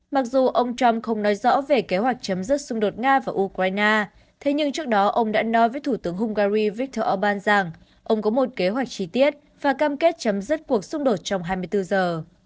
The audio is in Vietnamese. mặc dù ông trump không nói rõ về kế hoạch chấm dứt xung đột nga và ukraine thế nhưng trước đó ông đã nói với thủ tướng hungary viktor orbán rằng ông có một kế hoạch chi tiết và cam kết chấm dứt cuộc xung đột trong hai mươi bốn giờ